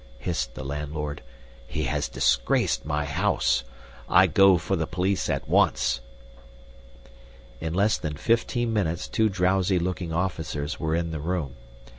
hissed the landlord. "He has disgraced my house. I go for the police at once!" In less than fifteen minutes two drowsy looking officers were in the room.